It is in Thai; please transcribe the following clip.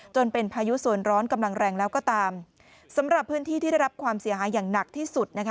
จนเป็นพายุส่วนร้อนกำลังแรงแล้วก็ตามสำหรับพื้นที่ที่ได้รับความเสียหายอย่างหนักที่สุดนะคะ